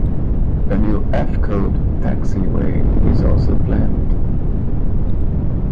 A new F Code taxiway is also planned.